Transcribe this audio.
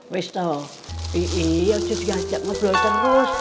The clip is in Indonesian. wisto iya juga diajak ngobrol terus